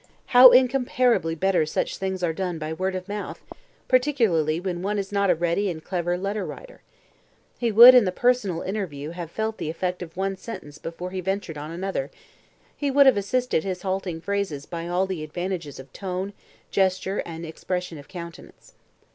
How incomparably better such things are done by word of mouth, particularly when one is not a ready and clever letter writer. He would in the personal interview have felt the effect of one sentence before he ventured on another he would have assisted his halting phrases by all the advantages of tone, gesture, and expression of countenance.